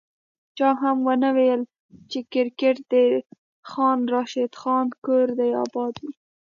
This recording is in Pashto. چا هم ونه ویل چي کرکیټ د خان راشد خان کور دي اباد وي